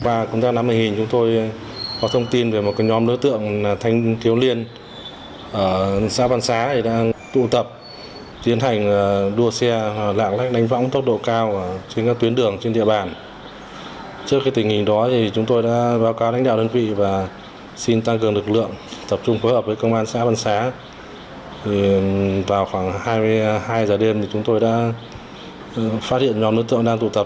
tập trung phối hợp với công an xã văn xá vào khoảng hai mươi hai h đêm chúng tôi đã phát hiện nhóm đối tượng đang tụ tập